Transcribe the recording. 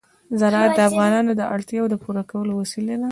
زراعت د افغانانو د اړتیاوو د پوره کولو وسیله ده.